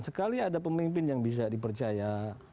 sekali ada pemimpin yang bisa dipercaya